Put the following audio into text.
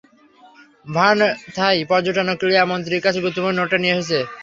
Verne Thai পর্যটন ও ক্রীড়া মন্ত্রীর কাছে গুরুত্বপূর্ণ নোটটা নিয়ে গিয়েছিল।